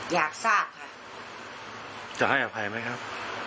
อยากทราบค่ะจะให้อภัยไหมครับ